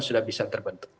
sudah bisa terbentuk